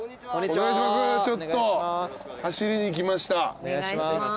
お願いします。